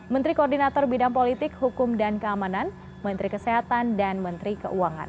menteri koordinator bidang politik hukum dan keamanan menteri kesehatan dan menteri keuangan